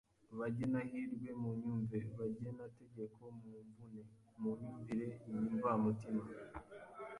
bagenahirwe munyumve bagenategeko mumvune Munyumvire iyi mvamutima